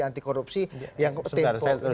anti korupsi yang tempo